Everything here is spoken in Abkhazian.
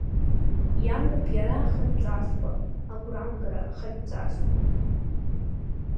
Иамоуп иара ахатә ҵасқәа, агәрамгара, ахатә цасқәа.